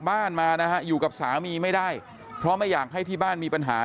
บ้านมานะฮะอยู่กับสามีไม่ได้เพราะไม่อยากให้ที่บ้านมีปัญหา